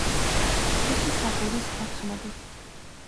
თიხის აგურის ქარხნები.